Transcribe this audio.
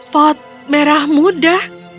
pot merah muda